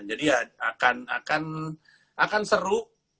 jadi akan seru